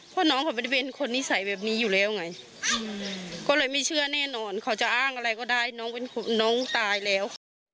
เพราะน้องเขาไม่ได้เป็นคนนิสัยแบบนี้อยู่แล้วไงก็เลยไม่เชื่อแน่นอนเขาจะอ้างอะไรก็ได้น้องเป็นน้องตายแล้ว